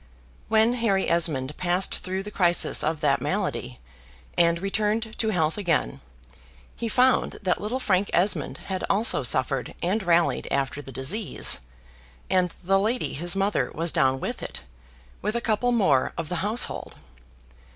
When Harry Esmond passed through the crisis of that malady, and returned to health again, he found that little Frank Esmond had also suffered and rallied after the disease, and the lady his mother was down with it, with a couple more of the household.